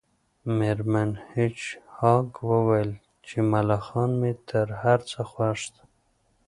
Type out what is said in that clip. میرمن هیج هاګ وویل چې ملخان مې تر هر څه خوښ دي